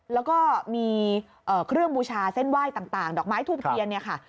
แล้วก็มีเครื่องบูชาเส้นไหว้ต่างดอกไม้ทูบเทียนเนี่ยค่ะ